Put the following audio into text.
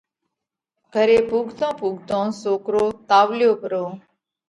گھري پُوڳتون پُوڳتون سوڪرو تاوَليو پرو،